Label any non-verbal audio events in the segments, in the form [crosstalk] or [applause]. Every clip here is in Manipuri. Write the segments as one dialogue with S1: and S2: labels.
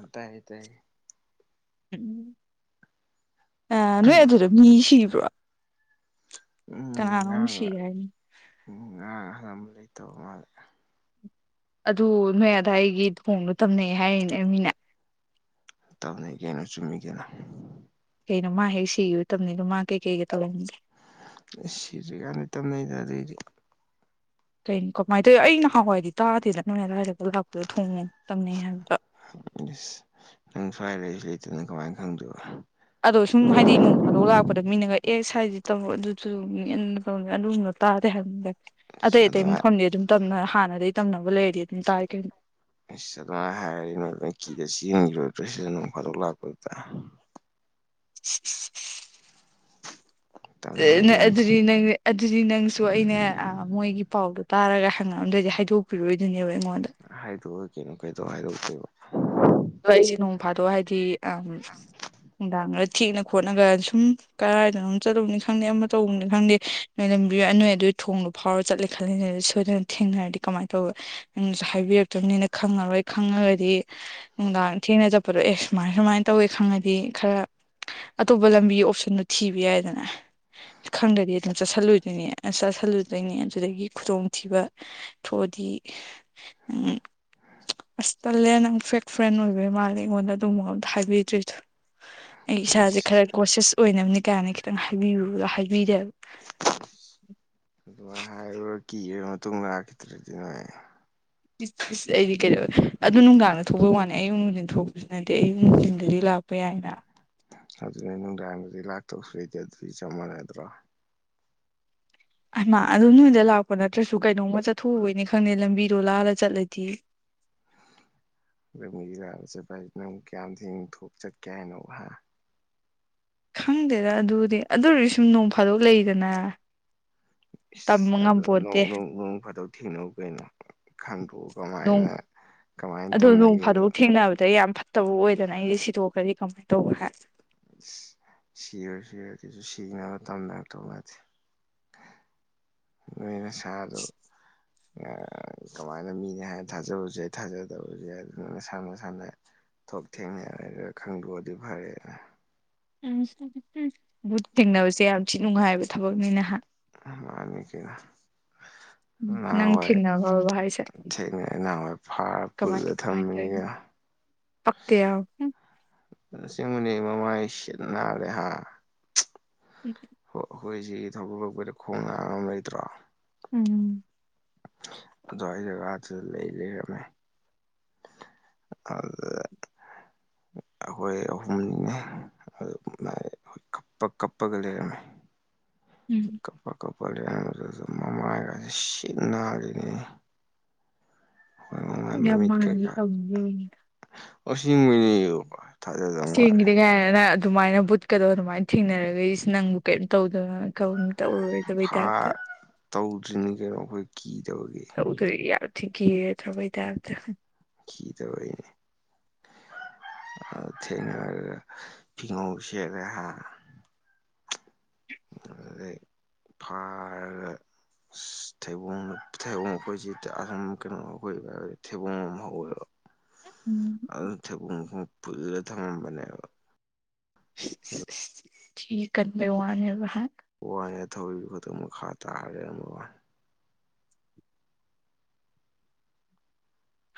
S1: ꯑ ꯇꯥꯏ ꯇꯥꯏ
S2: ꯎꯝ ꯑ ꯅꯣꯏ ꯑꯗꯨꯗ ꯃꯤ ꯁꯤꯕ꯭ꯔꯣ
S1: ꯎꯝ
S2: ꯀꯅꯥꯅꯣꯝ ꯁꯤ
S1: ꯉꯔꯥꯡ
S2: ꯍꯥꯏꯅꯤ
S1: ꯎꯝ ꯉꯔꯥꯡ ꯍꯜꯕ ꯂꯩꯇꯕ ꯃꯥꯜꯂꯦ
S2: ꯑꯗꯨ ꯅꯣꯏ ꯑꯗꯥꯏꯒꯤ ꯊꯨꯣꯡꯗꯣ ꯇꯝꯅꯩ ꯍꯥꯏꯔꯤꯅꯦ ꯃꯤꯅꯦ
S1: ꯇꯧꯅꯤ ꯀꯩꯅꯣ ꯆꯨꯝꯃꯤ ꯀꯦꯅ
S2: ꯀꯩꯅꯣ ꯃꯥ ꯍꯦꯛ ꯁꯤꯈꯤꯕꯣꯏ ꯇꯕꯅꯤꯗꯣ ꯃꯥ ꯀꯩꯀꯩ ꯇꯥꯂꯝꯅꯤꯡꯅꯤꯦ
S1: ꯁꯤꯔꯤ ꯀꯅꯤ ꯇꯃꯦꯗꯗꯗꯤ
S2: ꯀꯩꯅꯣ ꯀꯃꯥꯏꯅ ꯇꯧꯋꯤ ꯑꯩ ꯅꯍꯥꯟꯋꯥꯏꯗꯤ ꯇꯥꯗꯦꯗ ꯅꯪꯅ ꯂꯥꯏꯔꯛꯇ ꯂꯥꯛꯄꯗ ꯊꯣꯡꯉꯦ ꯇꯝꯅꯩ ꯍꯥꯏꯕ
S1: ꯅꯪ ꯁ꯭ꯋꯥꯏꯔ ꯑꯩꯁꯨ ꯂꯩꯇꯅꯪ ꯀꯃꯥꯏꯅ ꯈꯪꯗꯣꯏꯕ
S2: ꯑꯗꯣ ꯁꯨꯝ ꯍꯥꯏꯗꯤ ꯅꯣꯡ ꯐꯥꯗꯧ ꯂꯥꯛꯄꯗ ꯃꯤꯅꯒ ꯑꯦ ꯍꯥꯏꯗꯤ ꯇꯧꯔ ꯑꯗꯨꯁꯨ ꯃꯤꯅ ꯇꯧ ꯑꯗꯨꯒꯨꯝꯕ ꯇꯥꯗꯦ ꯍꯥꯏꯕꯗ
S1: ꯏꯁ
S2: ꯑꯇꯩ ꯑꯇꯩ
S1: ꯑꯗꯨꯃꯥꯏ
S2: ꯃꯐꯝꯗꯤ ꯑꯗꯨꯝ ꯍꯥꯟꯅꯗꯒꯤ ꯇꯝꯅꯕ ꯂꯩꯔꯗꯤ ꯑꯗꯨꯝ ꯇꯥꯏ ꯀꯩꯅ
S1: ꯑꯗꯨ ꯍꯥꯏꯗ ꯁꯤ ꯐꯔ ꯂꯥꯛꯄꯗ
S2: [inaudible]
S1: ꯇꯝꯅꯕꯩꯗꯤ ꯌꯥꯝ
S2: ꯑꯗꯨꯗꯤ
S1: ꯊꯤꯅ
S2: ꯅ ꯑꯗꯨꯗꯤ ꯅꯪꯁꯨ ꯑꯩꯅ ꯃꯣꯏꯒꯤ ꯄꯥꯎꯗ ꯇꯥꯔꯒ ꯍꯪꯉꯛꯑꯝꯗꯣꯏꯗꯤ ꯍꯥꯏꯗꯣꯛꯄꯤꯔꯣꯏꯅꯦꯕ ꯑꯩꯉꯣꯟꯗ
S1: ꯍꯥꯏꯗꯣꯛꯑꯣ ꯀꯩꯅꯣ ꯀꯩꯗꯧ ꯍꯥꯏꯗꯣꯛꯇꯦꯕ
S2: ꯑ ꯑꯩꯁꯦ ꯅꯣꯡ ꯐꯥꯗꯣꯛ ꯍꯥꯏꯗꯤ ꯎ ꯅꯨꯡꯗꯥꯡ ꯊꯦꯡꯅ ꯈꯣꯠꯅꯒ ꯁꯨꯝ ꯀꯔꯥꯏꯗꯅꯣ ꯆꯠꯂꯧꯕꯕꯅꯤ ꯈꯪꯗꯦ ꯑꯃ ꯇꯧꯕꯅꯤ ꯈꯪꯗꯦ ꯅꯣꯏ ꯂꯝꯕꯤꯔ ꯅꯣꯏ ꯑꯗꯨ ꯊꯣꯡꯗ ꯐꯥꯎꯔ ꯆꯠꯂꯦ ꯈꯦ ꯁꯣꯏꯗꯅ ꯊꯦꯡꯅꯔꯗꯤ ꯀꯃꯥꯏꯅ ꯇꯧꯕ ꯅ ꯍꯥꯏꯕꯤꯔꯛꯇꯕꯅꯤꯅ ꯈ ꯍꯣꯏ ꯈꯪꯉꯒꯗꯤ ꯅꯨꯡꯗꯥꯡ ꯊꯦꯡꯅ ꯆꯠꯄꯗꯣ ꯑꯦ ꯁꯨꯃꯥꯏ ꯁꯨꯃꯥꯏꯅ ꯇꯧꯋꯦ ꯈꯪꯉꯗꯤ ꯈꯔ ꯑꯇꯣꯞꯄ ꯂꯝꯕꯤꯒꯤ ꯑꯣꯞꯁꯟꯗꯨꯣ ꯊꯤꯕ ꯌꯥꯏꯗꯅ ꯈꯪꯗ꯭ꯔꯗꯤ ꯑꯗꯨꯝ ꯆꯥꯁꯤꯜꯂꯨꯗꯣꯏꯅꯦ ꯆꯥꯁꯤꯜꯂꯨꯗꯣꯏꯅꯦ ꯑꯗꯨꯗꯒꯤ ꯈꯨꯗꯣꯡꯊꯤꯕ ꯊꯣꯛꯑ ꯎ ꯅ ꯐ꯭ꯔꯦꯟ ꯑꯣꯏꯕꯩ ꯃꯥꯜꯂꯦ ꯑꯩꯉꯣꯟꯗ ꯑꯗꯨꯝꯕ ꯑꯝꯇ ꯍꯥꯏꯕꯤꯗ꯭ꯔꯤꯁꯨ ꯑꯩ ꯏꯁꯥꯁꯦ
S1: ꯏꯁ
S2: ꯈꯔ ꯀꯣꯁꯌꯁ ꯑꯣꯏꯅꯕꯅꯤ ꯀꯥꯏꯅ ꯈꯤꯇꯪ ꯍꯥꯏꯔ ꯍꯥꯏꯕꯤꯔꯦꯕ
S1: ꯑꯗꯨꯃ ꯍꯥꯏ ꯀꯤꯔ ꯃꯇꯨꯡꯗꯥꯛꯈꯤꯗ꯭ꯔꯗꯤ ꯅꯅꯨꯡ
S2: ꯑꯩꯗꯤ ꯀꯩꯗꯧ ꯑꯗꯨ ꯅꯨꯡꯗꯥꯡꯗ ꯊꯣꯛꯄꯩ ꯋꯥꯅꯤ ꯑꯌꯨꯛ ꯅꯨꯡꯊꯤꯟꯗ ꯊꯣꯛꯄꯁꯨ ꯅꯠꯇꯦ ꯑꯌꯨꯛ ꯅꯨꯡꯊꯤꯟꯗꯗꯤ ꯂꯥꯛꯦ ꯇꯄꯦ ꯌꯥ ꯍꯥꯏꯅ
S1: ꯑꯗꯨꯗ ꯅꯨꯡꯗꯥꯡꯗꯤ ꯂꯥꯛꯇꯧꯁꯨꯩꯗꯤ ꯑꯗꯨꯗꯤ ꯆꯞ ꯃꯥꯟꯅꯗ꯭ꯔꯣ
S2: ꯃꯥ ꯑꯗꯨꯝ ꯅꯣꯏꯗ ꯂꯥꯛꯄ ꯅꯠꯇ꯭ꯔꯁꯨ ꯀꯩꯅꯣꯝꯃ ꯆꯠꯊꯣꯛꯎꯕꯣꯏꯅꯤ ꯈꯪꯗꯦ ꯂꯝꯕꯤꯗꯣ ꯂꯥꯜꯂ ꯆꯠꯂꯗꯤ [inaudible]
S1: ꯂ ꯆꯠꯄ ꯍꯥꯏꯁꯤꯅꯪꯨꯛ ꯀꯌꯥꯝ ꯊꯦꯡ ꯊꯣꯛ ꯆꯠꯀꯦ ꯍꯥꯏꯅꯣ
S2: ꯈꯪꯗꯦꯗ ꯑꯗꯨꯗꯤ ꯑꯗꯨ ꯑꯣꯏꯔꯗꯤ ꯁꯨꯝ ꯅꯣꯡ ꯐꯥꯗꯣꯛ ꯂꯩꯗꯅ ꯇꯝꯕ
S1: ꯏꯁ
S2: ꯉꯝꯄꯣꯟꯇꯦ
S1: ꯑꯗꯨꯣꯡꯅꯨꯡ ꯅꯣꯡ ꯐꯥꯠꯇꯧ ꯊꯦꯡꯅꯧ ꯀꯩꯅꯣ ꯈꯟꯗꯣꯛꯎ
S2: ꯅꯣꯡ
S1: ꯀꯃꯥꯏꯅ ꯀꯃꯥꯏꯅ ꯇꯧꯅꯒꯦ
S2: ꯇꯧꯕ ꯑꯣꯏꯗꯅ ꯑꯩꯗꯤ ꯁꯤꯗꯣꯛꯈ꯭ꯔꯗꯤ ꯀꯃꯥꯏꯅ ꯇꯧꯕ ꯍꯥꯏ
S1: ꯁꯤꯔꯣ ꯁꯤꯔꯁꯨ ꯁꯤꯅ ꯇꯝꯃꯦ ꯇꯧ ꯃꯥꯗꯤꯦ
S2: [inaudible]
S1: ꯅꯅꯦ ꯁꯗꯣ
S2: [inaudible]
S1: ꯀꯃꯥꯏꯅ ꯃꯤꯅꯦ ꯍꯥꯏꯅ ꯊꯥꯖꯕꯁꯨ ꯌꯥ ꯊꯥꯖꯗꯕꯁꯨ ꯌꯥ ꯑꯗꯨ ꯃꯁꯥꯟꯅꯁꯥꯟꯅ ꯊꯣꯛꯣꯛ ꯊꯦꯡꯅ ꯍꯥꯏꯔ ꯈꯪꯗꯣꯛꯑꯗꯤ ꯐꯔꯦꯅ
S2: ꯎ ꯕꯨꯠ ꯊꯦꯡꯅꯕꯁꯦ ꯌꯥꯝ ꯊꯤ ꯅꯨꯡꯉꯥꯏꯕ ꯊꯕꯛꯅꯤꯅꯍꯥꯛ
S1: ꯃꯥꯅꯤ ꯀꯅ
S2: ꯅꯪ
S1: ꯅꯍꯥꯟꯋꯥꯏ
S2: ꯊꯦꯡꯅꯈ꯭ꯔꯕꯣ ꯍꯥꯏꯁꯦ
S1: ꯊꯦꯡꯅꯉꯥꯏ ꯅꯍꯥꯟꯋꯥꯏ ꯐꯥꯔ ꯄꯨꯜꯂꯒ ꯊꯝꯝꯕꯅꯤꯅ
S2: ꯄꯀꯦ ꯌꯥ
S1: ꯅꯪ ꯃꯃꯥꯏ ꯁꯤꯠꯅꯔꯦꯍꯥ
S2: ꯎ
S1: ꯍ ꯍꯣꯏꯁꯤ ꯊꯔ ꯈꯣꯡꯅꯝ ꯂꯩꯇ꯭ꯔꯣ
S2: ꯎꯝꯝ
S1: ꯑꯗꯨ ꯑꯩꯏ ꯖꯒꯥꯗꯨꯗ ꯂꯩ ꯂꯩꯔꯝꯃꯦ
S2: ꯎ
S1: ꯑꯗꯨꯗ ꯑꯩꯈꯣꯏ ꯑꯍꯨꯝꯅꯤꯉ ꯀꯄ ꯀꯄꯒ ꯂꯩꯔꯃꯦ
S2: ꯎꯝ
S1: ꯀꯞꯄꯥ ꯀꯄ ꯂꯩꯅꯃ ꯁꯤꯅꯅꯤ
S2: ꯌꯥꯝ ꯃꯥꯅꯔꯤ ꯀꯗ
S1: ꯑꯁꯤ ꯃꯅꯦ ꯌꯕ
S2: ꯁꯤꯗꯤꯒ ꯑꯗꯨꯃꯥꯏꯅ ꯕꯨꯠꯀꯗꯣ ꯑꯗꯨꯃꯥꯏꯅ ꯊꯦꯡꯅꯔꯒ ꯑꯩꯁ ꯅꯪꯕꯨ ꯀꯔꯤꯝ ꯇꯧꯗ
S1: ꯐꯥ
S2: ꯇꯧꯔꯔꯣꯏꯗꯕꯩꯗꯇ
S1: ꯇꯧꯗ꯭ꯔꯤꯅꯤ ꯀꯩꯅꯣ ꯑꯩꯈꯣꯏ ꯀꯤꯗꯕꯒꯤ
S2: ꯇꯧꯗꯔꯤ ꯒꯠꯇꯕꯩ ꯇꯥꯔꯗ
S1: ꯀꯗꯕꯅꯦ ꯑ ꯊꯦꯡꯅꯔ ꯄꯤꯉꯁꯔꯦ ꯍꯥ ꯑ ꯐꯥꯔ ꯊꯦꯕ ꯊꯦꯕꯣꯏꯁꯤꯁ ꯀꯩꯅꯣ ꯊꯦꯕꯨꯡꯣ
S2: ꯎꯝ
S1: ꯑꯗꯨ ꯊ ꯄꯨꯜꯂ ꯊꯉꯝꯕꯅꯦꯕ
S2: ꯀꯕ ꯋꯥꯅꯦꯕꯍ
S1: ꯋꯥꯏꯅꯦ ꯊꯧꯔꯤꯕ ꯈꯨꯇ ꯃꯈꯥ ꯇꯥꯔꯦ ꯑꯃ ꯋꯥꯏ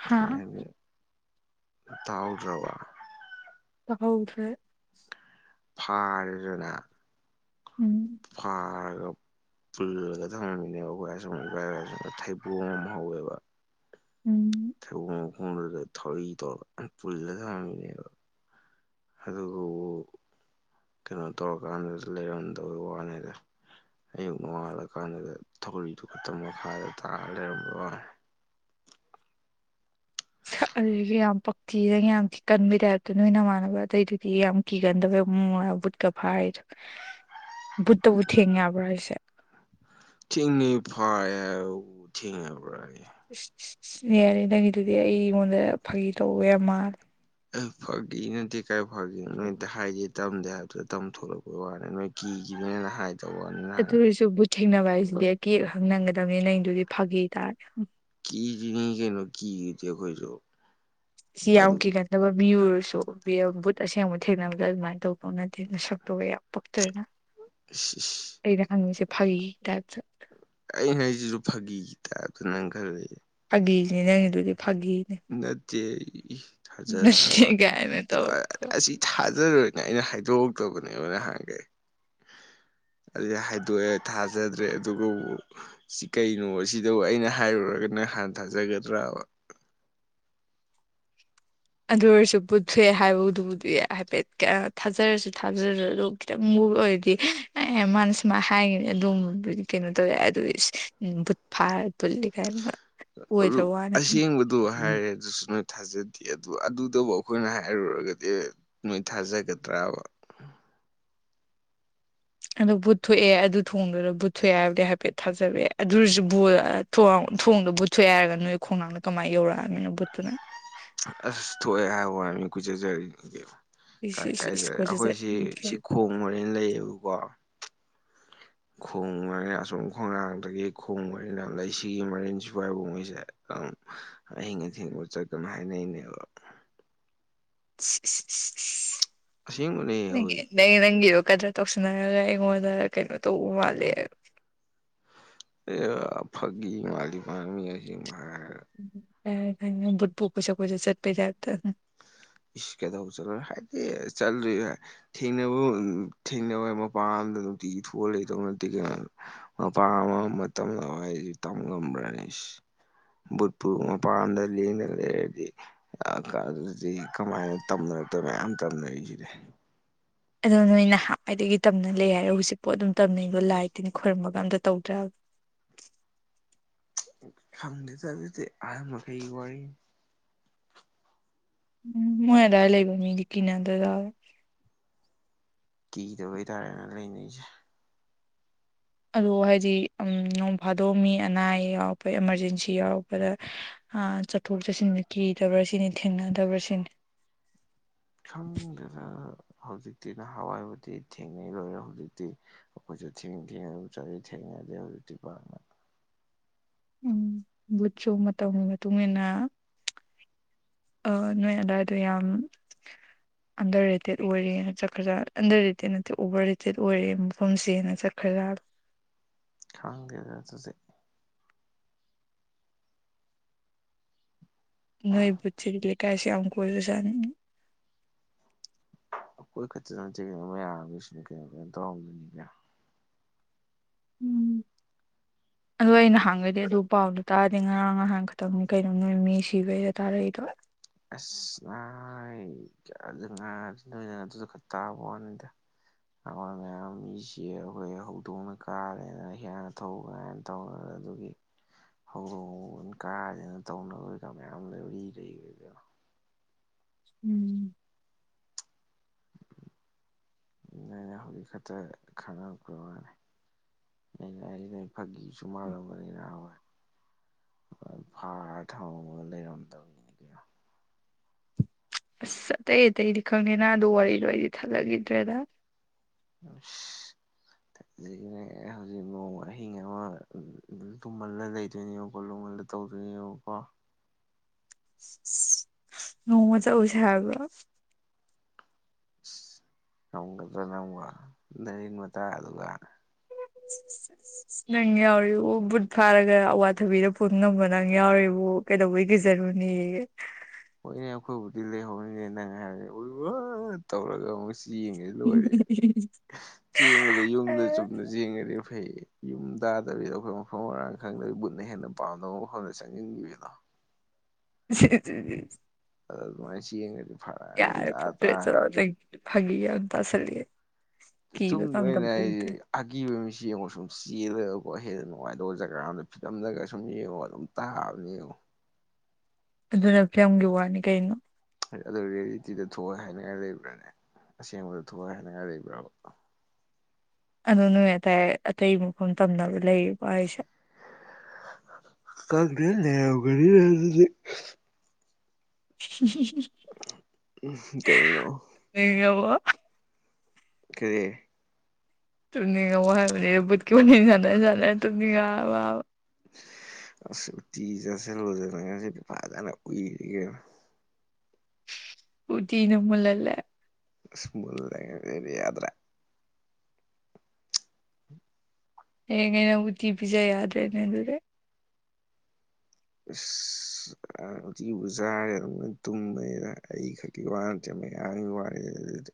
S2: ꯍꯥ
S1: ꯇꯥꯎꯔꯔ
S2: ꯍꯧꯁ꯭ꯔꯦ
S1: ꯐꯥꯔꯖꯅ
S2: ꯎꯝ
S1: ꯍ ꯄꯨꯜꯂꯒ ꯊꯝꯃꯝꯃꯤꯅꯦꯕ ꯑꯩꯈꯣꯏ ꯑꯁꯨꯝ ꯊꯩꯕꯨ ꯑꯃꯝ ꯍꯧꯋꯦꯕ
S2: ꯎꯝ
S1: ꯊ ꯊ ꯄꯨꯂ ꯊ ꯑꯗꯨꯕꯨ ꯀꯩꯅꯣ ꯇꯧꯔꯀꯥꯟꯗ ꯂꯩꯔꯝꯗꯕ ꯋꯥꯅꯦꯗ ꯑꯌꯨꯛ ꯅꯣꯡꯉꯥꯜꯂꯀꯥꯟꯗꯨꯗ ꯊꯧꯔꯤꯗꯨ ꯈꯛꯇꯪ ꯃꯈꯥꯗ ꯇꯥꯔꯒ ꯂꯩꯔꯝꯕꯣ
S2: [inaudible] [inaudible] ꯑꯗꯨꯁꯨ ꯌꯥꯝ ꯄꯛꯊꯤꯅ ꯌꯥꯝꯤ ꯀꯟꯕꯒꯤ ꯇꯥꯏꯞꯇꯣ ꯅꯣꯏ ꯅꯃꯥꯟꯅꯕ ꯑꯗꯇꯩꯗꯨꯗꯤ ꯌꯥꯝ ꯀꯤꯒꯟꯗꯕꯩ ꯃꯑꯣꯕ ꯕꯨꯠꯀ ꯐꯥꯔꯤꯗꯣ ꯕꯨꯠꯇꯕꯨ ꯊꯦꯡꯦꯕ꯭ꯔꯥ ꯍꯥꯏꯁꯦ
S1: ꯊꯤꯡꯅꯤ ꯐꯔ ꯊꯦꯡꯉꯕ꯭ꯔꯥ
S2: ꯅꯦꯔꯦ ꯅꯪꯒꯤꯗꯨꯗꯤ ꯑꯩꯉꯣꯟꯗ ꯐꯥꯒꯤ ꯇꯧꯋꯦ ꯃꯥꯜꯂꯦ
S1: ꯐꯥꯈꯤ ꯅꯠꯇꯦ ꯀꯥꯏ ꯐꯒꯣ ꯅꯣꯏ ꯑ ꯍꯥꯏꯗꯤꯦ ꯇꯝꯗꯦ ꯍꯥꯏꯕꯗꯨ ꯇ ꯊꯣꯛꯂꯛꯄꯒꯤ ꯋꯥꯅꯤ ꯅꯣꯏ ꯀꯤꯈꯤꯅꯦꯅ ꯍꯥꯏꯗꯕ ꯋꯥꯅꯤ
S2: ꯑꯗꯨ
S1: ꯅꯍ
S2: ꯑꯣꯏꯔꯁꯨ ꯕꯨꯠ ꯊꯦꯡꯅꯕ ꯍꯥꯏꯁꯤꯗꯤ ꯑꯩ ꯀ ꯑ ꯍꯪ ꯅꯪꯒꯗꯕꯅꯤ ꯅꯪꯗꯨꯗꯤ ꯐꯥꯈꯤ ꯇꯥꯔꯦ
S1: ꯀ ꯆꯅꯤ ꯀꯩꯅꯣ ꯀ ꯏꯗꯤ ꯈꯣꯏꯁꯨ
S2: ꯁꯤ ꯌꯥꯝ ꯀꯤꯒꯟꯗꯕ ꯃꯤ ꯑꯣꯏꯔꯁꯨ ꯕꯨꯠ ꯑꯁꯦꯡꯕ ꯊꯦꯡꯅꯕꯗ ꯑꯗꯨꯃꯥꯏꯅ ꯇꯧꯕ ꯅꯗꯦꯅ ꯁꯛꯇꯒ ꯌꯥꯝ ꯄꯣꯛꯛꯇ꯭ꯔꯦꯅ
S1: ꯏꯁ ꯏꯁ
S2: ꯑꯩꯩꯅ ꯍꯪꯉꯤꯁꯦ ꯐꯩ ꯇꯠ
S1: ꯑꯩꯅ ꯑꯩꯁꯤꯁꯨ ꯐꯥꯒꯤꯒꯤ ꯇꯥꯏꯞꯇ ꯅꯪ ꯈꯔ ꯂꯩ
S2: ꯕꯤꯁꯅꯦ ꯅꯪꯒꯤ ꯑꯗꯨꯗꯤ
S1: ꯅꯠꯇꯦ ꯊꯥꯖꯗ
S2: ꯅꯠꯇꯦ ꯀꯥꯏꯅ ꯇꯧꯋꯦ
S1: ꯑꯁꯤ ꯊꯥꯖꯔꯣꯏ ꯅ ꯑꯩꯅ ꯍꯥꯏꯗꯣꯛꯑꯛꯇꯕꯅꯦꯕꯅ ꯍꯥꯡꯒꯦ
S2: [unintelligible] [unintelligible]
S1: ꯑꯗꯨ ꯍꯥꯏꯗꯣꯛꯑꯦ ꯊꯥꯖꯗ꯭ꯔꯦ ꯑꯗꯨꯒ ꯁꯤ ꯀꯩꯅꯣ ꯁꯤꯗꯕꯨ ꯑꯩꯅ ꯍꯥꯏꯔꯨꯔꯒꯅ ꯍꯥꯟ ꯊꯖꯒꯗ꯭ꯔ
S2: [unintelligible] ꯑꯗꯨ ꯑꯣꯏꯔꯁꯨ ꯄꯨꯠꯊꯣꯛꯑꯦ ꯍꯥꯏꯕꯗꯨꯕꯨꯗꯤ ꯍꯥꯏꯐꯦꯠ ꯊꯥꯖꯔꯁꯨ ꯊꯥꯖꯔꯁꯨ ꯑꯗꯨ ꯈꯤꯇꯪ ꯑꯣꯏꯔꯗꯤ ꯑꯦ ꯃꯥꯅ ꯁꯨꯃꯥꯏ ꯍꯥꯏꯈꯤꯅꯤ ꯑꯗꯨ ꯀꯩꯅꯣ ꯇꯧꯋꯦ ꯑꯗꯨ ꯇꯥ ꯄꯨꯜꯂꯤ ꯀꯥꯏꯅ
S1: ꯑꯗꯨ
S2: ꯑꯣꯏꯗ꯭ꯔ ꯋꯥꯅꯤ
S1: ꯑꯁꯦꯡꯕꯗꯨ ꯍꯥꯏꯔꯦ ꯑꯗꯨꯁꯨ ꯅꯣꯏ ꯊꯥꯖꯗꯦ ꯑꯗꯨ ꯑꯗꯨꯗꯕꯨ ꯑꯩꯈꯣꯏꯅ ꯍꯥꯏꯔꯨꯔꯒꯗꯤ ꯅꯣꯏ ꯊꯥꯖꯒꯗ꯭ꯔꯕ
S2: ꯑꯗꯨꯣ ꯕꯨꯠꯊꯣꯛꯑꯦ ꯑꯗꯨ ꯊꯣꯡꯗꯨꯗ ꯕꯨꯠꯊꯣꯛꯑꯦ ꯍꯥꯏꯕꯗꯤ ꯍꯥꯏꯐꯦꯠ ꯊꯥꯖꯔꯛꯑꯦ ꯑꯗꯨ ꯑꯣꯏꯔꯁꯨ ꯊꯣꯡ ꯊꯣꯡꯗꯣ ꯕꯨꯠꯊꯣꯛꯦ ꯍꯥꯏꯔꯒ ꯅꯣꯏ ꯈꯣꯡꯅꯥꯡꯅ ꯀꯃꯥꯏꯅ ꯌꯧꯔꯛꯑꯃꯤꯅ ꯕꯨꯠꯇꯨꯅ
S1: ꯑꯁ ꯊꯣꯛꯑꯦ ꯍꯥꯏ ꯍꯥꯏ ꯃꯤ ꯀꯨꯆꯖꯔꯤꯅꯤꯦ
S2: ꯏꯁ
S1: ꯀꯥꯏ
S2: ꯏꯁ
S1: ꯀꯥꯏꯦ
S2: ꯏꯁ ꯀꯣꯏꯆꯠ
S1: ꯑꯩꯈꯣꯏꯁꯤ
S2: ꯆꯠꯅꯤꯡꯈ꯭ꯔꯦ
S1: ꯁꯤ ꯈꯣꯡ ꯃꯣꯔꯦꯅ ꯂꯩꯌꯦꯕꯀꯣ ꯈꯣꯡ ꯃꯅꯤꯅ ꯑꯁꯨꯝ ꯈꯣꯡꯅꯥꯡꯗꯒꯤ ꯈꯣꯡ ꯃꯔꯤꯅ ꯂꯩ ꯁꯤꯒꯤ ꯃꯔꯤꯟꯁꯤꯥꯏꯕ ꯃꯣꯏꯁꯦ ꯑꯍꯤꯡ ꯑꯊꯦꯡꯕ ꯆꯠꯀꯅ ꯍꯥꯏꯅꯩꯅꯦꯕ ꯑꯁꯦꯡꯕꯅꯦ
S2: ꯅꯪ
S1: ꯍꯣꯏ
S2: ꯅꯪ ꯒꯗ꯭ꯔ ꯇꯧꯁꯤꯟꯅꯔꯒ ꯑꯩꯉꯣꯟꯗ ꯀꯩꯅꯣ ꯇꯧꯕ ꯃꯥꯜꯂꯦꯕ
S1: ꯑꯦ ꯐꯒ ꯃꯥꯂꯤꯃꯃꯤ
S2: ꯊꯠꯨꯀꯁꯀꯦ ꯆꯠꯄꯤ
S1: ꯏꯁ ꯀꯩꯗꯧꯕ ꯆꯠꯂ ꯍꯥꯏꯗꯤ ꯆꯠꯂ ꯊꯦꯡꯅꯕ ꯊꯦꯡꯅꯕ ꯃꯄꯥꯟ ꯅꯨꯡꯇꯤ ꯏꯊꯣ ꯂꯩꯇꯧ ꯅꯠꯇꯦ ꯀꯩꯅ ꯃꯄꯥ ꯑꯃ ꯃꯇꯝꯗꯋꯥꯏꯁꯤ ꯇꯝ ꯉꯝꯕ꯭ꯔꯅꯦ ꯏ ꯨꯠꯄꯨꯔ ꯃꯄꯥꯟꯗꯤꯅꯗꯤ ꯀꯗꯤ ꯀꯃꯥꯏꯅ ꯇꯝꯅꯔꯛꯇ ꯃꯌꯥꯝ ꯇꯝꯅꯔꯤꯁꯤꯗꯤ
S2: ꯑꯗꯣ ꯅꯣꯏ ꯅꯍꯥꯟꯋꯥꯏꯗꯒꯤ ꯇꯝꯅ ꯂꯩ ꯍꯥꯏꯔꯣ ꯍꯧꯖꯤꯛ ꯄꯣꯠ ꯑꯗꯨꯝ ꯇꯝꯅꯩꯗꯣ ꯂꯥꯏꯇꯤꯅ ꯈꯣꯏꯔꯨꯝꯃꯒ ꯑꯝꯇ ꯇꯧꯗ꯭ꯔꯒ [unintelligible]
S1: ꯈꯝꯗꯤ ꯆꯦ ꯑ ꯑꯃ ꯀ ꯋꯥꯔꯤ
S2: ꯎꯝ ꯃꯣꯏ ꯑꯗꯨꯗꯥꯏ ꯂꯩꯕ ꯃꯤꯗꯤ ꯀꯅꯦ ꯑꯗꯨꯗꯥ
S1: ꯀꯤꯗꯧꯕ ꯇꯥꯔꯦꯅ ꯂꯩꯅꯤꯁ
S2: ꯑꯗꯣ ꯍꯥꯏꯗꯤ ꯅꯣꯡ ꯐꯥꯗꯣꯛꯑ ꯃꯤ ꯑꯅꯥ ꯑꯌꯦꯛ ꯌꯥꯎꯔꯛꯄ ꯏꯃꯥꯔꯖꯦꯟꯁꯤ ꯌꯥꯎꯔꯛꯄꯗ ꯍꯥ ꯆꯠꯊꯣꯛ ꯆꯠꯁꯤꯟ ꯀꯤꯗꯕ꯭ꯔꯥ ꯁꯤꯅꯤ ꯊꯦꯡꯅꯗꯕ꯭ꯔꯥ ꯁꯤꯅꯤ
S1: ꯁꯟꯗꯦ ꯍꯧꯖꯤꯛꯇꯤ ꯅꯍꯥꯟꯋꯥꯏꯕꯗꯤ ꯊꯦꯡꯅꯩ ꯂꯣꯏꯔꯦ ꯍꯧꯖꯤꯛꯇꯤ ꯑꯩꯈꯣꯏꯁꯨ ꯊꯦꯡ ꯊꯦꯡꯉꯒ ꯆ ꯊꯦꯡꯅꯩ ꯀꯦ ꯑꯣꯏ ꯎꯇ ꯄꯥꯔꯉ
S2: ꯎꯝ ꯕꯨꯠꯁꯨ ꯃꯇꯝꯧꯒꯤ ꯃꯇꯨꯡ ꯏꯟꯅ ꯑ ꯅꯣꯏ ꯑꯗꯥꯏꯗ ꯌꯥꯝ ꯑꯟꯗꯔ ꯔꯦꯇꯦꯠ ꯑꯣꯏꯔꯦꯅ ꯆꯠꯈ꯭ꯔ ꯑꯟꯗꯔ ꯔꯦꯇꯦꯠ ꯅꯠꯇꯦ ꯑꯣꯚꯔ ꯔꯦꯇꯦꯠ ꯑꯣꯏꯔꯦ ꯃꯐꯝꯁꯦꯅ ꯆꯠꯈ꯭ꯔ ꯔ
S1: ꯈꯪꯗꯦꯗ ꯑꯗꯨꯗꯤ
S2: ꯅꯣꯏ ꯄꯨꯠ ꯀꯥꯏ ꯁꯤ ꯌꯥꯝꯨ ꯀꯣꯏꯗꯁꯅꯤ
S1: ꯑꯩꯈꯣꯏ ꯈ ꯌꯥꯔꯅ ꯀꯩꯅꯣ ꯀꯩꯅꯣ ꯇꯧꯔꯝꯣꯏꯅꯤ ꯀ
S2: ꯎꯝ ꯑꯗꯨꯗꯣ ꯑꯩꯅꯍꯥꯡꯈꯩꯗꯤ ꯑꯗꯨ ꯄꯥꯎꯗꯣ ꯇꯥꯔꯗꯤ ꯉꯔꯥꯡ ꯉꯍꯥꯡ ꯈꯛꯇꯪꯅꯤ ꯀꯩꯅꯣ ꯅꯣꯏ ꯃꯤ ꯁꯤꯕꯩꯗ ꯇꯥꯔꯛꯏꯗꯣ
S1: ꯑꯁ ꯉꯥꯏ ꯀꯌꯥ ꯉꯥꯏ ꯅ ꯑꯗꯨꯁꯨ ꯈꯔ ꯇꯥꯕ ꯋꯥꯅꯤꯗ ꯑ ꯃꯌꯥꯝ ꯃꯤꯁꯤꯦ ꯑꯩꯈꯣꯏ ꯍꯧꯗꯣꯡꯅ ꯀꯥꯔꯦꯅ ꯍꯦꯟꯅ ꯊꯧꯕꯅꯧ ꯑꯗꯨꯒꯤ ꯍꯧꯗꯣꯡ ꯀꯥꯁꯤꯅ ꯇꯧꯅꯕ ꯀ ꯃꯌꯥꯝ ꯂꯩꯔꯤ ꯂꯩꯗꯅꯣ
S2: ꯎꯝ [unintelligible]
S1: ꯅꯅꯦ ꯍꯧꯖꯤꯛ ꯈꯛꯇ ꯈꯪ ꯋꯥꯅꯤ ꯐꯒꯁꯨꯨ ꯃꯥꯔ ꯃꯅꯤꯅ ꯐꯥ ꯍ ꯂꯩꯔꯗ ꯀ
S2: ꯑꯁ ꯑꯇꯩ ꯑꯇꯩꯗꯤ ꯈꯪꯉꯦꯅ ꯑꯗꯨ ꯋꯥꯔꯤ ꯂꯣꯏ ꯑꯩꯗꯤ ꯊꯜꯂꯈꯤꯗ꯭ꯔꯦꯗ
S1: ꯑ
S2: [inaudible]
S1: ꯑꯗꯒꯤꯅꯦ ꯍꯧꯖꯤꯛ ꯅꯣꯡ ꯑꯍꯤꯡ ꯑꯃ ꯇꯨꯝꯍꯜꯂ ꯂꯩꯗꯣꯏꯅꯦꯕꯀꯣ ꯂꯣꯡꯃꯜꯂ ꯇꯧꯗꯣꯏ ꯑꯣꯣꯄꯥ
S2: ꯍ ꯃ ꯆ ꯎꯁ ꯍꯥꯏꯒ
S1: ꯑꯃꯛꯇ ꯅ ꯔꯤ ꯃꯇꯥ ꯑꯗꯨꯒ
S2: ꯅꯪ ꯌꯥꯎꯔꯤꯕꯕꯨ ꯕꯨꯠ ꯐꯥꯔꯒ ꯑꯋꯥꯊꯕꯤꯗ ꯐꯨꯝꯅꯕ ꯅꯪ ꯌꯥꯎꯔꯤꯕꯕꯨ ꯀꯩꯗꯧꯕꯩ ꯀꯩꯖꯔ ꯅꯤ
S1: ꯍꯣꯏꯅꯦ ꯑꯩꯈꯣꯏꯕꯨꯗꯤ ꯂꯩꯍꯧꯅꯤꯅꯦ ꯅꯪ ꯍꯥꯏꯔꯅꯤ ꯎ ꯇꯧꯔꯒ ꯑꯃꯨꯛ ꯆꯦꯡꯉꯦ ꯂꯣꯏꯔꯦ ꯆꯦꯡꯕꯗ ꯌꯨꯝꯗ ꯆꯨꯝꯅ ꯆꯦꯡꯉꯗꯤ ꯩ ꯌꯨꯝ ꯇꯥꯗꯕꯤꯗ ꯑꯩꯈꯣꯏ ꯃꯐꯝ ꯃꯔꯥꯡ ꯈꯪꯗꯕꯤ ꯃꯟꯅ ꯍꯦꯟꯅ ꯃꯄꯥꯟꯗꯣꯛ ꯍꯪꯗ ꯆꯪꯅꯤꯡꯟꯈꯤꯕꯗ
S2: [inaudible]
S1: ꯑ ꯃꯥꯁꯤ ꯀꯌꯣ
S2: ꯌꯥꯔꯦ ꯄ꯭ꯔꯦ ꯆꯂ ꯐꯒꯤ ꯇ ꯁꯂꯦ
S1: ꯇꯨꯡ ꯂꯣꯏꯅ ꯑꯒꯤꯕ ꯃꯤꯁꯤ ꯃꯁꯨꯝ ꯁꯤꯗ ꯀꯣ ꯍꯦꯟꯅ ꯅꯨꯡꯉꯥꯏ ꯑꯗꯨꯒ ꯖꯒꯥ ꯑꯃꯗ ꯐꯤꯂꯝꯗꯒ ꯁꯨꯝ ꯌꯦꯡꯉꯣ ꯑꯗꯨꯝ ꯇꯥꯕꯅꯦ ꯌꯦꯡꯉꯣ
S2: ꯑꯗꯨꯅ ꯀꯌꯥꯝꯒꯤ ꯋꯥꯅꯤ ꯀꯩꯅꯣ
S1: ꯑꯗꯨꯔꯤꯌꯦꯂꯤꯇꯤꯗ ꯊꯣꯛꯑꯦ ꯍꯥꯏꯅꯤꯡꯉꯥꯏ ꯂꯩꯕ꯭ꯔꯥꯅꯦ ꯑꯁꯦꯡꯕꯗꯨ ꯊꯨꯒꯥꯏ ꯍꯥꯏꯅꯤꯡꯉꯥꯏ ꯂꯩꯕ꯭ꯔꯕ
S2: ꯑ ꯅꯣꯏ ꯍꯥꯏꯇꯥꯔꯦ ꯑꯇꯩ ꯃꯈꯐꯝ ꯇꯝꯅꯕ ꯂꯩꯌꯦ ꯑꯩꯁꯦ
S1: ꯀꯅꯦ ꯂꯩꯦ ꯑꯗꯨꯗꯤ ꯀꯩꯅꯣ
S2: ꯌꯦꯉꯕ
S1: ꯀꯗ
S2: ꯇꯨꯝꯅꯤꯡꯉ ꯍꯥꯏꯔꯕꯠꯀꯤ ꯁ ꯇꯨꯅꯤꯡꯉꯕ
S1: ꯎꯇꯤ ꯆꯥꯁꯜꯂꯨꯗꯅ ꯉꯁꯤꯗꯤ ꯐꯖꯟ ꯎꯏꯔꯦ ꯀꯩꯅꯣ
S2: ꯎꯇꯤꯅ ꯃꯨꯜꯍꯜꯂꯦ
S1: ꯑꯁ ꯃꯨꯜꯂꯦ ꯉꯁꯤꯗꯤ ꯌꯥꯗ꯭ꯔꯦ
S2: ꯍꯌꯦꯡꯒꯩ ꯅꯪ ꯎꯇꯤ ꯄꯤꯖ ꯌꯥꯗ꯭ꯔꯦꯅꯦ ꯑꯗꯨꯗꯤ
S1: ꯑꯁ ꯎꯇꯤꯕꯨ ꯆꯥꯔꯗꯤ ꯑꯗꯨꯝ ꯇꯨꯝꯕꯅꯤꯗ ꯑꯩ ꯈꯛꯀꯤ ꯋꯥ ꯅꯠꯇꯦ ꯃꯌꯥꯝꯒꯤ ꯋꯥꯅꯤꯗ ꯑꯗꯨꯗꯤ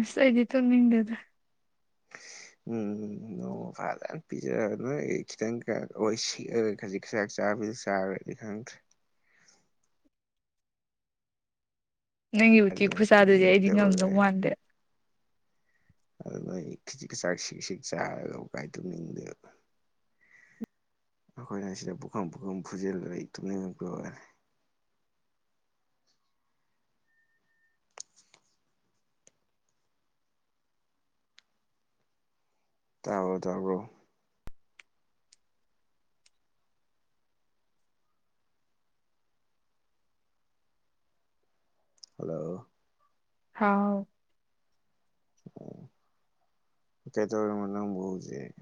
S2: ꯑꯁ ꯑꯩꯗꯤ ꯆꯨꯝꯅꯤꯡꯗꯦꯗ
S1: ꯎꯪ ꯅꯣꯡꯃ ꯐꯖꯟ ꯄꯤꯖꯔꯒ ꯈꯤꯇꯪꯈꯛ ꯁꯤꯛꯑꯒ ꯈꯖꯤꯛ ꯆꯥꯛ ꯆꯥ [unintelligible] ꯆꯥꯕꯩꯗꯤ ꯈꯪꯗ꯭ꯔꯦ
S2: ꯅꯪꯒꯤ ꯎꯇꯤ
S1: ꯑꯗꯨꯅ
S2: ꯈꯨꯆꯥꯗꯩꯗꯤ ꯑꯩꯗꯤ ꯉꯝꯗꯧ
S1: ꯇꯨꯝꯅꯤꯡꯗꯕꯒ
S2: ꯃꯥꯟꯗꯦ
S1: ꯑꯗꯨ ꯅꯣꯢ ꯈꯤꯖꯛ ꯆꯥꯛ ꯁꯤꯛ ꯁꯤꯛ ꯆꯥꯔꯒꯕꯨ ꯀꯥꯏ ꯇꯨꯝꯅꯤꯡꯗꯦꯅꯣ ꯑꯩꯈꯣꯏꯅ ꯁꯤꯗ ꯄꯨꯈꯝ ꯄꯨꯈꯝ ꯐꯨꯖꯤꯜꯂꯨꯕꯩ ꯇꯨꯝꯅꯤꯡꯉꯛꯄꯩ ꯋꯥꯅꯤ
S2: [inaudible]
S1: ꯇꯥꯕ꯭ꯔꯣ ꯇꯥꯕ꯭ꯔꯣ ꯍꯜꯂꯣ
S2: ꯍꯥꯎ
S1: ꯀꯩꯗꯧꯔꯝꯃꯤꯅꯣ ꯅꯪꯕꯨ ꯍꯧꯖꯤꯛ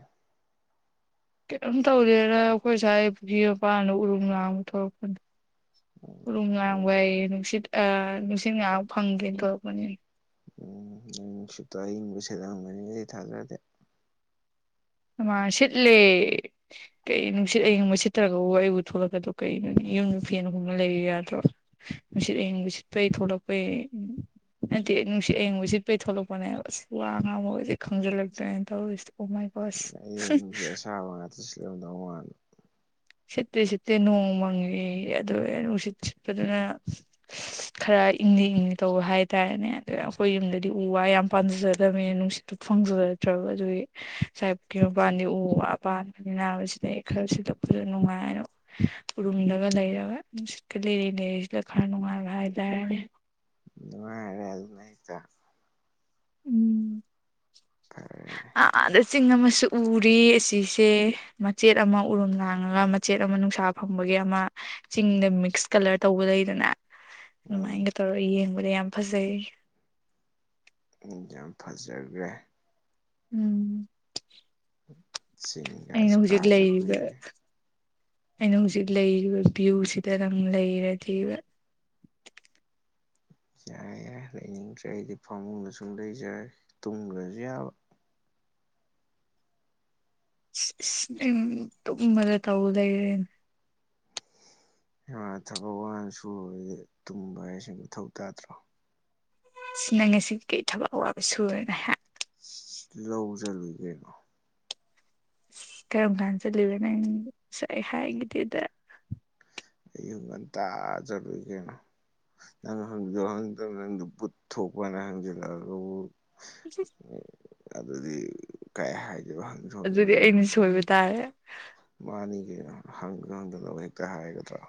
S2: ꯀꯩꯝ ꯇꯧꯗꯦꯗ ꯑꯩꯈꯣꯏ ꯁꯋ꯭ꯥꯢ ꯄꯨꯈ꯭ꯔꯤ ꯃꯄꯥꯟꯗ ꯎꯔꯨꯝ ꯂꯥꯡꯕ ꯊꯣꯛꯂꯛꯄꯅꯤ ꯎꯔꯨꯝ
S1: ꯎꯝ
S2: ꯂꯥꯡꯕꯩ ꯅꯨꯡꯁꯤꯠ ꯑ ꯅꯨꯡꯁꯤꯠ ꯉꯥꯏꯍꯥꯛ ꯐꯪꯒꯦꯅ ꯊꯣꯛꯔꯛꯄꯅꯤ
S1: ꯎꯝ ꯅꯪ ꯅꯨꯡꯁꯤꯠꯇꯣ ꯑꯏꯤꯡꯕ ꯁꯤꯠꯂꯝꯒꯅꯤꯗꯤ ꯊꯥꯖꯗꯦ
S2: ꯍꯩꯃꯥ ꯁꯤꯠꯂꯦ ꯀꯩ ꯅꯨꯡꯁꯤꯠ ꯑꯢꯪꯕ ꯁꯤꯠꯇꯔꯒꯕꯨ ꯑꯩꯕꯨ ꯊꯂꯛꯀꯗ꯭ꯔꯣ ꯀꯩꯅꯣꯅꯦ ꯌꯨꯝꯗ ꯐꯅꯒꯨꯝꯕ ꯂꯩꯔꯤ ꯌꯥꯗ꯭ꯔꯣ ꯅꯨꯡꯁꯤꯠ ꯑꯤꯡ ꯅꯨꯡꯁꯤꯠꯄꯩ ꯊꯂꯛꯄꯩ ꯅꯠꯇꯤꯌꯦ ꯅꯨꯡꯁꯤꯠ ꯑꯌꯤꯡꯕ ꯁꯤꯠꯄꯩ ꯊꯣꯂꯛꯄꯅꯦ ꯍꯥꯢꯕ ꯑꯁ ꯋꯥ ꯉꯥꯡꯕꯁꯦ ꯈꯪꯖꯤꯜꯂꯛꯇ꯭ꯔꯦꯅ ꯇꯧꯔꯁꯤ ꯑꯣ ꯃꯥꯢ ꯒꯣꯁ
S1: ꯢꯁ ꯌꯥꯝꯅ [unintelligible]
S2: ꯁꯤꯠꯇꯦ ꯁꯤꯠꯇꯦ ꯅꯣꯡꯃꯪꯉ ꯑꯗꯨ ꯅꯨꯡꯁꯤꯠ ꯁꯤꯠꯄꯗꯨꯅ ꯈꯔ ꯏꯪꯂꯤ ꯏꯪꯂꯤ ꯇꯧꯕ ꯍꯥꯏꯇꯥꯔꯦꯅꯦ ꯑꯗꯩꯢ ꯑꯩꯈꯣꯏ ꯌꯨꯝꯗꯗꯤ ꯎ ꯋꯥ ꯌꯥꯝ ꯄꯥꯟꯖꯗꯕꯅꯤꯅ ꯅꯨꯡꯁꯤꯠꯇꯨ ꯐꯪꯖ ꯗ꯭ꯔꯕ ꯑꯗꯨꯒꯤ ꯁꯋ꯭ꯥꯢ ꯄꯨꯈ꯭ꯔꯤ ꯃꯄꯥꯟꯗꯤ ꯎ ꯋꯥ ꯄꯥꯟꯕꯅꯤꯅ ꯅꯨꯡꯁꯤꯠ ꯑꯌꯤꯡꯕ ꯈꯔ ꯁꯤꯠꯂꯛ ꯄꯗꯨ ꯅꯨꯡꯉꯥꯢꯅ ꯎꯔꯨꯝꯗꯒ ꯂꯩꯔꯒ ꯁꯨꯡꯁꯤꯠꯀ ꯂꯤꯔꯤ ꯂꯩꯔꯤ ꯁꯤꯠꯂ ꯈꯔ ꯅꯨꯡꯉꯥꯏꯕ ꯍꯥꯏ ꯇꯥꯔꯦꯅꯦ
S1: [unintelligible]
S2: ꯎꯝ
S1: ꯐꯔꯦꯅꯦ
S2: ꯑꯥꯗ ꯆꯤꯡ ꯑꯃꯁꯨ ꯎꯔꯤ ꯑꯁꯤꯁꯦ ꯃꯆꯦꯠ ꯑꯃ ꯎꯔꯨꯝ ꯂꯥꯡꯉꯒ ꯃꯆꯦꯠ ꯑꯃ ꯅꯨꯡ ꯁꯥ ꯐꯪꯕꯒꯤ ꯑꯃ ꯆꯤꯡꯗ ꯃꯤꯛꯁ ꯀꯂꯔ ꯇꯧꯕ ꯂꯩꯗꯅ
S1: ꯎꯝ
S2: ꯑꯗꯨꯃꯥꯏꯅꯒ ꯇꯧꯔꯒ ꯌꯦꯡꯕꯗ ꯌꯥꯝ ꯐꯖꯩ
S1: ꯌꯥꯝ ꯐꯖꯒ꯭ꯔꯦ
S2: ꯎꯝ ꯑꯩꯅ
S1: ꯆꯤꯡꯒꯂꯤ
S2: ꯍꯧꯖꯤꯛ
S1: ꯀꯥꯗ
S2: ꯂꯩꯔꯤꯕ
S1: ꯀꯨꯏꯔꯦ
S2: ꯑꯩꯅ ꯍꯧꯖꯤꯛ ꯂꯩꯔꯤꯕ ꯚ꯭ꯌꯨꯁꯤꯗ ꯅꯪ ꯂꯩꯔꯗꯤꯕ
S1: ꯌꯥꯔꯦ ꯌꯥꯔꯦ ꯂꯩꯅꯤꯡꯗ꯭ꯔꯦ ꯑꯩꯗꯤ ꯐꯃꯨꯡꯗ ꯁꯨꯝ ꯂꯩꯖꯔꯦ ꯇꯨꯡꯒ꯭ꯔꯁꯨ ꯌꯥꯕ
S2: [inaudible] ꯢꯂ ꯢꯁ ꯅꯪ ꯇꯨꯝꯕꯗ ꯇꯧ ꯂꯩꯔꯦꯅꯦ
S1: ꯊꯕꯛ ꯋꯥꯟ ꯁꯨꯔꯨꯔꯗꯤ ꯇꯨꯝꯕ ꯍꯥꯏꯖꯦ ꯃꯊꯧ ꯇꯥꯗ꯭ꯔꯣ
S2: ꯅꯪ ꯉꯁꯤꯒꯤ ꯀꯩ ꯊꯕꯛ ꯑꯋꯥꯕ ꯁꯨꯔꯦꯅ ꯍꯥ
S1: ꯂꯧ ꯆꯠꯂꯨꯢ ꯀꯩꯅꯣ
S2: ꯀꯔꯝ ꯀꯥꯟ ꯆꯠꯂꯨꯢꯕ ꯅꯪ ꯉꯁꯥꯢ ꯍꯥꯏꯒꯤꯗꯦꯗ
S1: ꯑꯌꯨꯛ ꯉꯟꯇꯥ ꯆꯠꯂꯨꯏ ꯀꯩꯅꯣ ꯅꯪ ꯍꯪꯁꯨ ꯍꯪꯗꯅ ꯅꯪꯗꯨ ꯚꯨꯠ ꯊꯣꯛꯄ꯭ꯔꯥꯅ ꯍꯪꯖꯜꯂꯛ ꯑꯒꯕꯨ
S2: [inaudible]
S1: ꯑꯗꯨꯗꯤ ꯀꯩ ꯍꯥꯏ
S2: ꯑꯗꯨꯗꯤ ꯑꯩꯅ ꯁꯣꯏꯕ ꯇꯥꯔꯦ
S1: ꯃꯥꯅꯤ ꯀꯩꯅꯣ ꯍꯪ ꯍꯪꯗꯅꯅꯕ ꯍꯦꯛꯇ ꯍꯥꯏꯒꯗ꯭ꯔꯣ